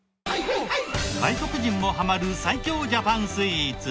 外国人もハマる最強ジャパンスイーツ。